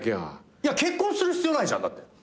いや結婚する必要ないじゃんだって。